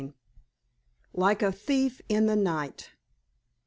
LIKE A THIEF IN THE NIGHT.